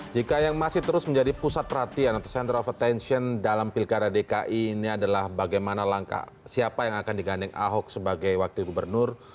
jika yang masih terus menjadi pusat perhatian atau center of attention dalam pilkada dki ini adalah bagaimana langkah siapa yang akan digandeng ahok sebagai wakil gubernur